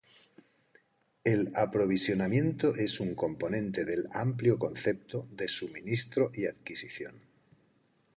El aprovisionamiento es un componente del amplio concepto de suministro y adquisición.